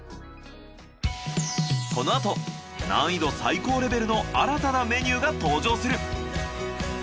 このあと難易度最高レベルの新たなメニューが登場する。